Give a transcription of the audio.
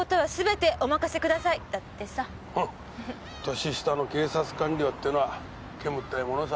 年下の警察官僚ってのは煙たいものさ。